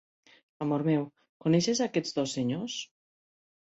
Amor meu, coneixes aquests dos senyors?